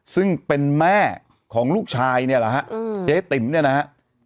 ซึ่งเป็นแม่ของลูกชายเนี่ยแหละฮะเจ๊ติ๋มเนี่ยนะฮะ